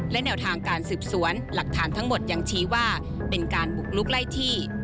และแนวทางการสืบสวนหลักฐานทั้งหมดยังชี้ว่าเป็นการบุกลุกไล่ที่